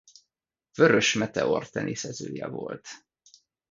Vörös Meteor teniszezője volt.